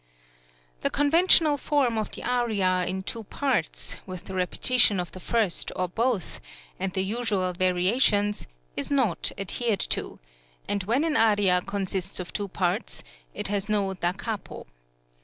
The conventional form of the aria in two parts, with the repetition of the first or both, and the usual variations, is not adhered to: and when an aria consists of two parts, it has no Da capo.